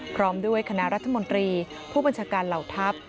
พร้อมด้วยคณะรัฐมนตรีผู้บัญชาการเหล่าทัพ